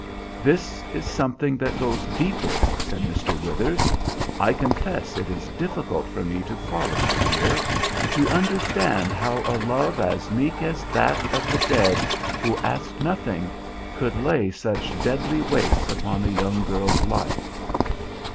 "This is something that goes deeper," said Mr. Withers. "I confess it is difficult for me to follow you here; to understand how a love as meek as that of the dead, who ask nothing, could lay such deadly weights upon a young girl's life."